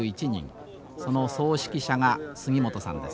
その総指揮者が杉本さんです。